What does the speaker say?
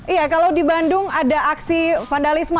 iya kalau di bandung ada aksi vandalisme